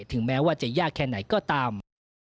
แม้ว่าจะยากแค่ไหนก็ตาม